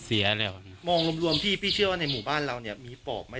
จริงทัทปิไปสู่กันก่อก็